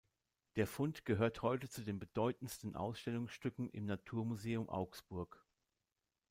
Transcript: Der Fund gehört heute zu den bedeutendsten Ausstellungsstücken im Naturmuseum Augsburg.